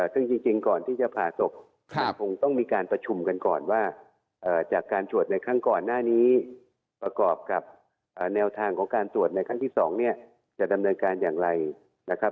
ซึ่งจริงก่อนที่จะผ่าศพยังคงต้องมีการประชุมกันก่อนว่าจากการตรวจในครั้งก่อนหน้านี้ประกอบกับแนวทางของการตรวจในครั้งที่๒เนี่ยจะดำเนินการอย่างไรนะครับ